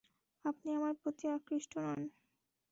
আপনি আমার প্রতি আকৃষ্ট নন।